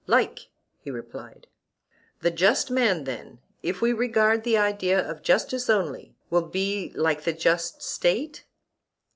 Like, he replied. The just man then, if we regard the idea of justice only, will be like the just State?